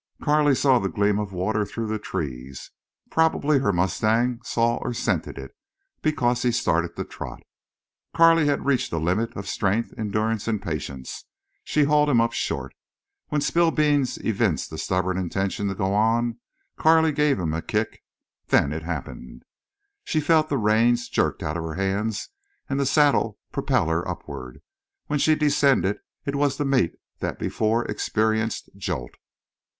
Carley saw the gleam of water through the trees. Probably her mustang saw or scented it, because he started to trot. Carley had reached a limit of strength, endurance, and patience. She hauled him up short. When Spillbeans evinced a stubborn intention to go on Carley gave him a kick. Then it happened. She felt the reins jerked out of her hands and the saddle propel her upward. When she descended it was to meet that before experienced jolt.